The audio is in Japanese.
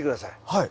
はい。